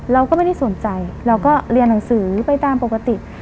เราก็ไม่ได้สนใจเราก็เรียนหนังสือไปตามปกติ